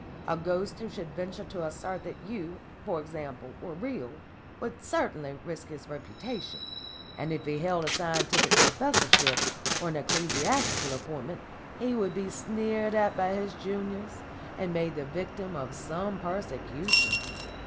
A ghost who should venture to assert that you, for example, were real would certainly risk his reputation, and if he held a scientific professorship or an ecclesiastical appointment he would be sneered at by his juniors and made the victim of some persecution.